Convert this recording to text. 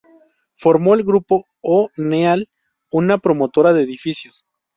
Formó el Grupo O'Neal, una promotora de edificios.